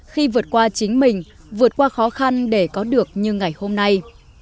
khi vượt qua chính mình vượt qua khó khăn để có được như ngày hôm nay